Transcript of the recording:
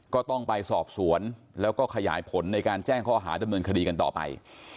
ก็ต้องไปสอบสวนแล้วก็ขยายผลในการแจ้งข้อหาดำเนินคดีกันต่อไป